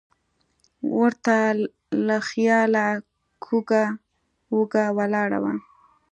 ور ته له خیاله کوږه وږه ولاړه وه.